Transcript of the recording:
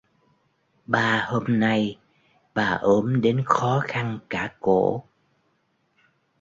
Ba hôm nay bà ốm đến khó khăn cả cổ